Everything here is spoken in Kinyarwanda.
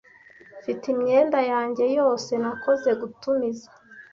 Mfite imyenda yanjye yose nakoze gutumiza.